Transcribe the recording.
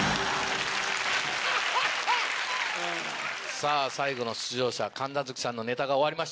さぁ最後の出場者神奈月さんのネタが終わりました。